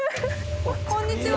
こんにちは。